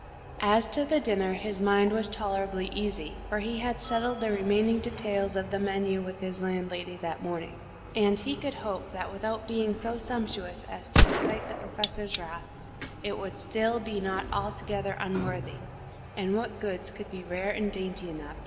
As to the dinner, his mind was tolerably easy, for he had settled the remaining details of the menu with his landlady that morning, and he could hope that without being so sumptuous as to excite the Professor's wrath, it would still be not altogether unworthy and what goods could be rare and dainty enough?